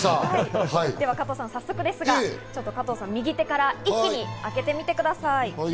加藤さん、早速ですが右手から一気に開けてみてください。